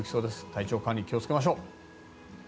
体調管理に気をつけましょう。